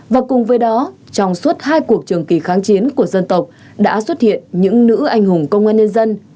và cùng với đó trong suốt hai cuộc trường kỳ kháng chiến của dân tộc đã xuất hiện những nữ anh hùng công an nhân dân